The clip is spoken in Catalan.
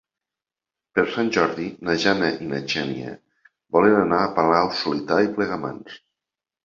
Per Sant Jordi na Jana i na Xènia volen anar a Palau-solità i Plegamans.